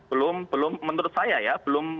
belum belum menurut saya ya belum